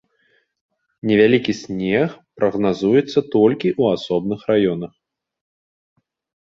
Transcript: Невялікі снег прагназуецца толькі ў асобных раёнах.